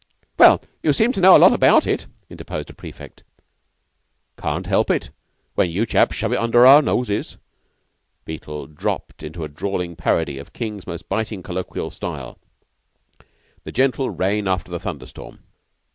"Well, you seem to know a lot about it," interposed a prefect. "Can't help it when you chaps shove it under our noses." Beetle dropped into a drawling parody of King's most biting colloquial style the gentle rain after the thunder storm.